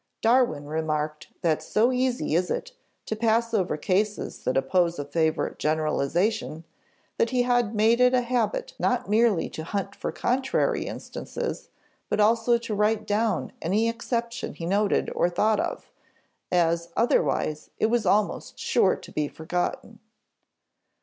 Darwin remarked that so easy is it to pass over cases that oppose a favorite generalization, that he had made it a habit not merely to hunt for contrary instances, but also to write down any exception he noted or thought of as otherwise it was almost sure to be forgotten.